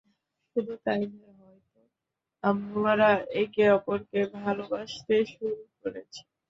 শুধু তাই নয়, হয়তো আমরা একে অপরকে ভালবাসতে শুরু করেছি।